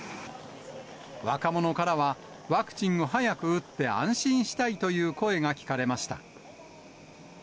若者からは、ワクチンを早く打って安心したいという声が聞かれました。